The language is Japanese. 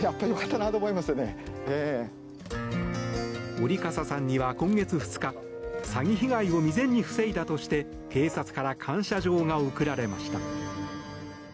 折笠さんには今月２日詐欺被害を未然に防いだとして警察から感謝状が贈られました。